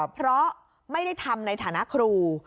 เพราะไม่ได้ทำในฐานะครู